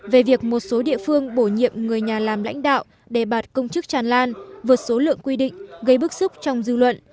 về việc một số địa phương bổ nhiệm người nhà làm lãnh đạo đề bạt công chức tràn lan vượt số lượng quy định gây bức xúc trong dư luận